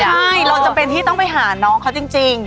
ใช่เราจำเป็นที่ต้องไปหาน้องเขาจริง